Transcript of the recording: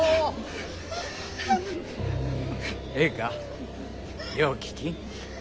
ええかよう聞き。